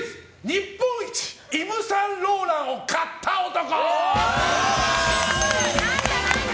日本一イヴ・サンローランを買った男！